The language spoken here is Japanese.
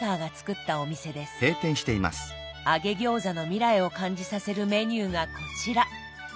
揚げ餃子の未来を感じさせるメニューがこちら。